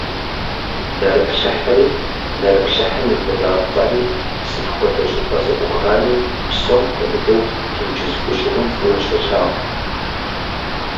Нэрыплъыхьри, нэрыплъыхьым и гъунапкъэри сыт хуэдэ щӀыпӀэ ззӀухами, псом хуэмыдэу тенджыз гущӀыӀум, фӀыуэ щолъагъу.